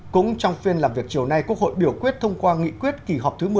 cũng trong phiên làm việc chiều nay quốc hội biểu quyết thông qua nghị quyết kỳ họp thứ một mươi